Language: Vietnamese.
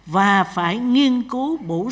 và phải nghiên cứu bổ sung